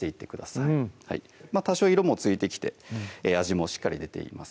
うん多少色もついてきて味もしっかり出ています